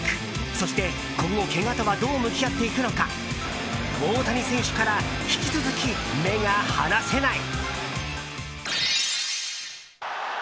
そして今後けがとはどう向き合っていくのか大谷選手から引き続き目が離せない。